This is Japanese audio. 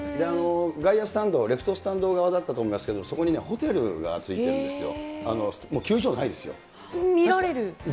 外野スタンド、レフトスタンド側だったと思うんですけど、そこにね、ホテルがついてるんですよ。